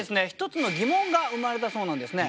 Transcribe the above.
１つの疑問が生まれたそうなんですね。